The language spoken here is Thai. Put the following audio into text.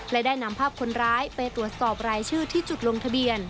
และได้นำภาพคนร้ายไปตรวจสอบรายชื่อที่จุดลงทะเบียน